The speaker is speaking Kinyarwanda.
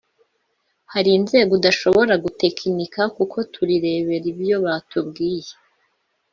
hari inzego udashobora gutekinika kuko turirebera ibyo batubwiye